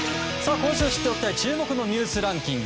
今週知っておきたい注目のニュースランキング。